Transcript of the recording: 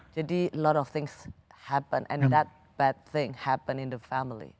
jadi banyak hal yang terjadi dan hal yang buruk itu terjadi di keluarga